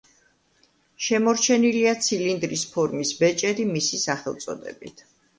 შემორჩენილია ცილინდრის ფორმის ბეჭედი მისი სახელწოდებით.